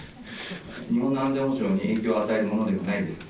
日本の安全保障に影響を与えるものではないんですか？